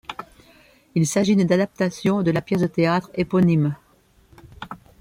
Il s'agit d'une adaptation de la pièce de théâtre éponyme.